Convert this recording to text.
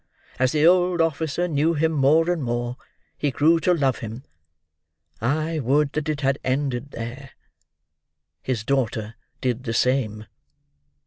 As the old officer knew him more and more, he grew to love him. I would that it had ended there. His daughter did the same."